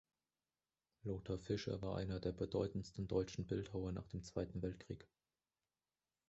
Lothar Fischer war einer der bedeutendsten deutschen Bildhauer nach dem Zweiten Weltkrieg.